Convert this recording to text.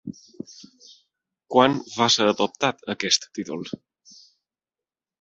Quan va ser adoptat aquest títol?